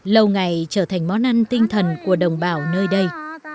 lâu ngày trở thành món ăn tinh thần của đồng bào nơi đây